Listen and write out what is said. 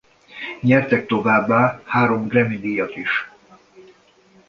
Nyertek továbbá három Grammy-díjat is.